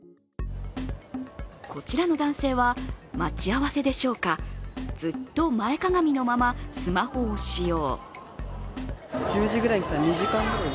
こちらの男性は待ち合わせでしょうか、ずっと前かがみのままスマホを使用。